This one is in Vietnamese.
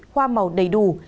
hoa màu đầy đủ